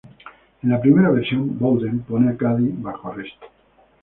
En la primera versión, Bowden pone a Cady bajo arresto.